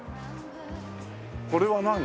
これは何？